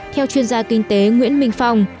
theo chuyên gia kinh tế nguyễn minh phong